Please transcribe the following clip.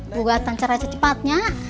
buat tancar aja cepatnya